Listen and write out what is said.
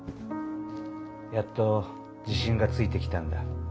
やっと自信がついてきたんだ。